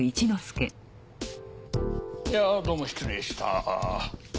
いやどうも失礼した。